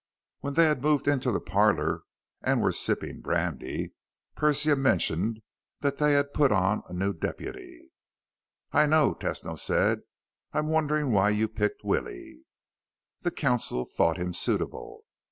When they had moved into the parlor and were sipping brandy, Persia mentioned that they had put on a new deputy. "I know," Tesno said. "I'm wondering why you picked Willie." "The council thought him suitable."